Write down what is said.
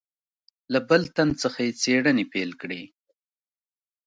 له بل تن څخه یې څېړنې پیل کړې.